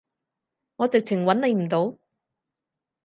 我直情揾你唔到